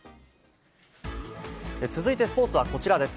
続いて、スポーツはこちらです。